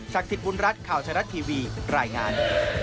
ศักดิ์สิทธิ์บุญรัฐข่าวชะลัดทีวีรายงาน